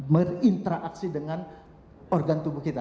berinteraksi dengan organ tubuh kita